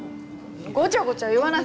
ごちゃごちゃ言わない。